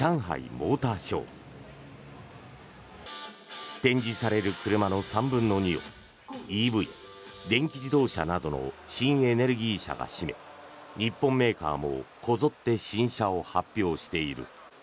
モーターショー。展示される車の３分の２をＥＶ・電気自動車などの新エネルギー車が占め日本メーカーもこぞって新車を発表している。